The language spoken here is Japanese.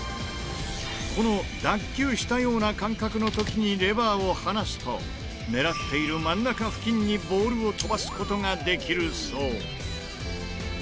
この脱臼したような感覚の時にレバーを離すと狙っている真ん中付近にボールを飛ばす事ができるそう。